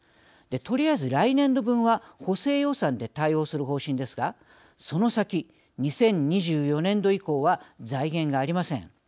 とりあえず来年度分は補正予算で対応する方針ですがその先２０２４年度以降は財源がありません。